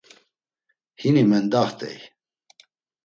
Hini mendaxt̆ey.